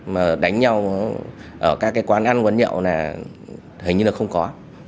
mà đánh nhau ở các cái quán ăn quán nhậu là hình như là không có